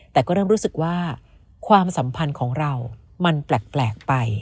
แต่ก็เริ่มรู้สึกว่าความสัมพันธ์ของเรามันแปลกไป